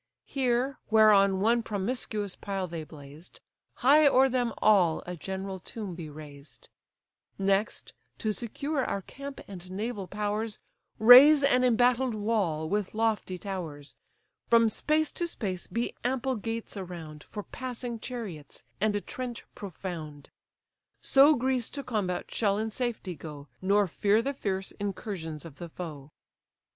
Here, where on one promiscuous pile they blazed, High o'er them all a general tomb be raised; Next, to secure our camp and naval powers, Raise an embattled wall, with lofty towers; From space to space be ample gates around, For passing chariots; and a trench profound. So Greece to combat shall in safety go, Nor fear the fierce incursions of the foe."